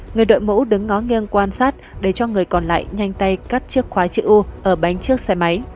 người đội mũ đứng ngó nghiêng quan sát để cho người còn lại nhanh tay cắt chiếc khóa chữ u ở bánh trước xe máy